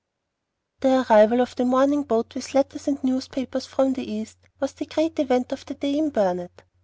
The arrival of the morning boat with letters and newspapers from the East was the great event of the day in Burnet.